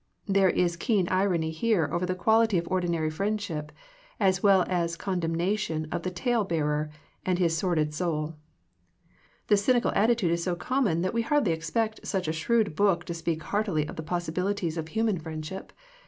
There is keen irony here over the quality of ordinary friendship, as well as condemnation of the tale bearer and his sordid soul. I This cynical attitude is so common that we hardly expect such a shrewd book to speak heartily of the possibilities of hu man friendship.